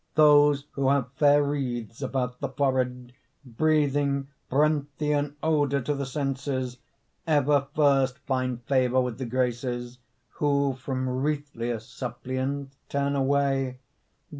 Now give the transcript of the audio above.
Those who have fair wreaths about the forehead, Breathing brentheian odor to the senses, Ever first find favor with the Graces Who from wreathless suppliants turn away.